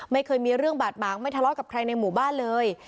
ไม่เคยมีเรื่องบาดหมางไม่ทะเลาะกับใครในหมู่บ้านเลย